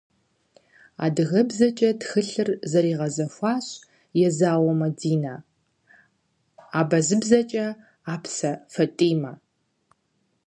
АдыгэбзэкӀэ тхыгъэр зэригъэзэхуащ Езауэ Мадинэ, абазэбэкӀэ - Апсэ ФатӀимэ.